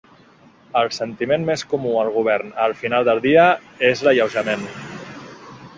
El sentiment més comú al govern al final del dia és l’alleujament.